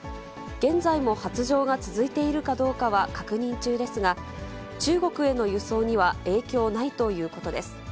現在も発情が続いているかどうかは確認中ですが、中国への輸送には影響ないということです。